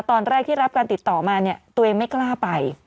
ตอนแรกที่รับการติดต่อมาเนี่ยตัวเองไม่กล้าไป